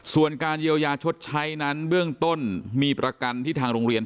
ส่วนการเยียวยาชดใช้นั้นเบื้องต้นมีประกันที่ทางโรงเรียน